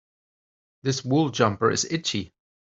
This wool jumper is itchy.